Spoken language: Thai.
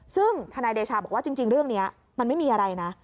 ซึ่งทนายเดชาบอกว่าจริงเรื่องนี้มันไม่มีอะไรนะ